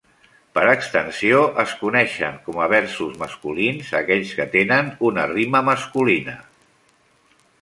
Per extensió es coneixen com a versos masculins aquells que tenen una rima masculina.